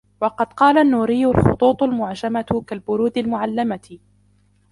وَقَدْ قَالَ النُّورِيُّ الْخُطُوطُ الْمُعْجَمَةُ كَالْبُرُودِ الْمُعَلَّمَةِ